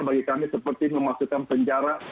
bagi kami seperti memasukkan penjara